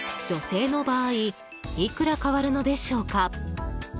女性の場合いくら変わるのでしょうか。